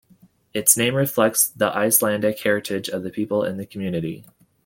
Its name reflects the Icelandic heritage of the people in the community.